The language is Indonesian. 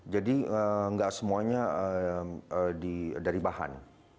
jadi enggak semuanya dari bahan